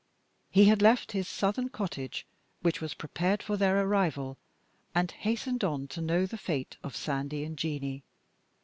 He had left his Southern cottage, which was prepared for their arrival, and hastened on to know the fate of Sandy and Jeanie.